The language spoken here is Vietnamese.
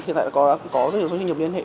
hiện tại đã có rất nhiều số doanh nghiệp liên hệ